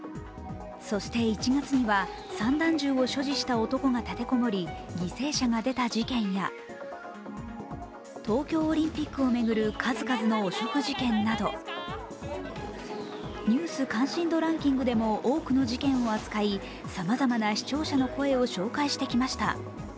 そして１月には散弾銃を所持した男が立て籠もり犠牲者が出た事件や、東京オリンピックを巡る数々の汚職事件など「ニュース関心度ランキング」でも多くの事件を扱い、さまざまな視聴者の声を紹介してきました。